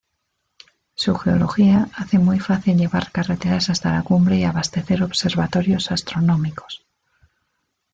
Su geología hace muy fácil llevar carreteras hasta la cumbre y abastecer observatorios astronómicos.